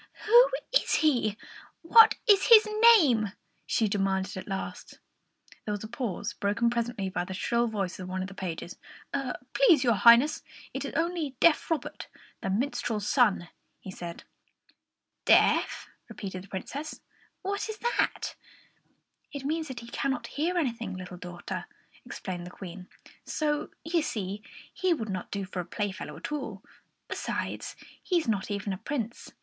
"Who is he? What is his name?" she demanded at last. There was a pause, broken presently by the shrill voice of one of the pages. "Please, your Highness, it is only deaf Robert, the minstrel's son," he said. "Deaf!" repeated the Princess. "What is that?" "It means that he cannot hear anything, little daughter," explained the Queen; "so, you see, he would not do for a playfellow at all. Besides, he is not even a Prince.